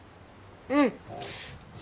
うん。